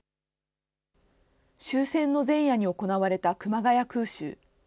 終戦の前夜に行われた熊谷空襲。